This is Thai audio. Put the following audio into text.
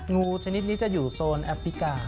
งูชนิดนี้จะอยู่โซนแอฟริกา